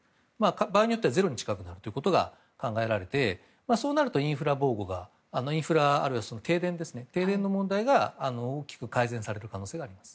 場合によってはゼロに近くなるということが考えられていてそうなるとインフラ、あるいは停電の問題が大きく改善される可能性があります。